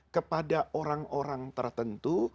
kepada orang orang tertentu